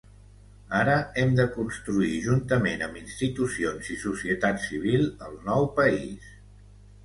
Ara hem de construir juntament amb institucions i societat civil el nou país.